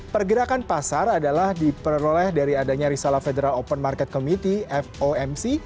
pergerakan pasar adalah diperoleh dari adanya risalah federal open market committee fomc